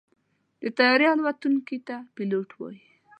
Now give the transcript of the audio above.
د طیارې الوتونکي ته پيلوټ وایي.